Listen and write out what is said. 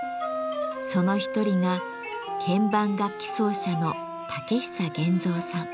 その一人が鍵盤楽器奏者の武久源造さん。